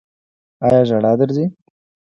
ایا ژړا درځي؟